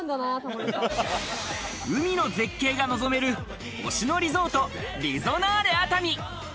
海の絶景が望める星野リゾート・リゾナーレ熱海。